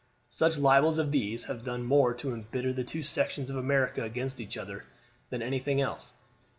"Such libels as these have done more to embitter the two sections of America against each other than anything else.